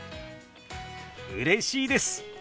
うれしいです！